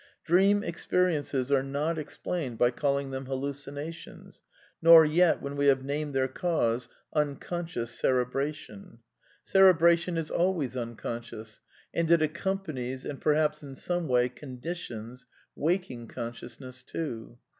*^^ Dream experiences are not explained by calling them hallucinations; nor yet when we have named their cause " unconscious cerebration." Cerebration is always imcon 262 A DEFENCE OF IDEALISM flciouB, and it accompanies and perhaps in some way con ditions waking consciousness too.